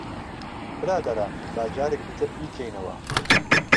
برادەران، با جارێکی تر بیکەینەوە.